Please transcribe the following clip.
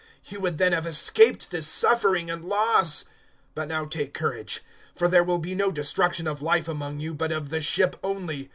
You would then have escaped this suffering and loss. 027:022 But now take courage, for there will be no destruction of life among you, but of the ship only.